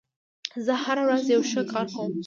زه هره ورځ یو ښه کار کوم.